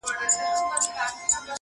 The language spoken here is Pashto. دا دلیل د امتیاز نه سي کېدلای-